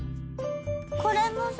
これもさ